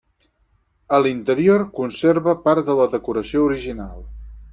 A l'interior, conserva part de la decoració original.